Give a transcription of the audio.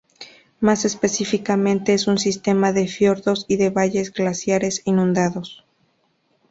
Más específicamente es un sistema de fiordos y de valles glaciares inundados.